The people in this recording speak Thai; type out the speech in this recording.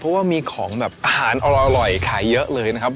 เพราะว่ามีของแบบอาหารอร่อยขายเยอะเลยนะครับ